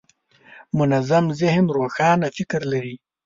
منظم ذهن روښانه فکر لري.